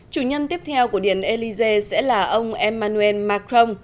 chủ nhân tiếp theo của điện élysée sẽ là ông emmanuel macron